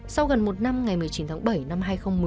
sau gần một năm ngày một mươi chín tháng bảy năm hai nghìn một mươi